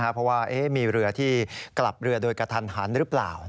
เพราะว่ามีเรือที่กลับเรือโดยกระทันหันหรือเปล่า